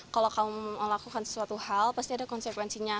kalau kamu melakukan sesuatu hal pasti ada konsekuensinya